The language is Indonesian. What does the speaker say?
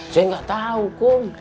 ceng gak tau kum